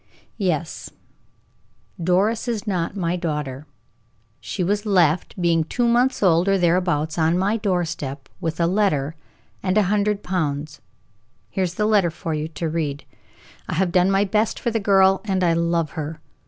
"Yes. Doris is not my daughter. She was left, being two months old or thereabouts, on my door step, with a letter and a hundred pounds. Here is the letter for you to read. I have done my best for the girl, and I love her.